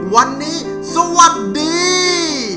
วันนี้สวัสดี